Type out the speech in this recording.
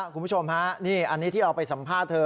คุณผู้ชมฮะนี่อันนี้ที่เราไปสัมภาษณ์เธอ